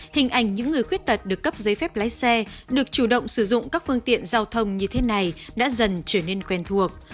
hình ảnh những người khuyết tật được cấp giấy phép lái xe được chủ động sử dụng các phương tiện giao thông như thế này đã dần trở nên quen thuộc